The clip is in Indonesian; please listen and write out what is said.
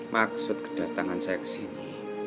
maksud kedatangan saya ke sini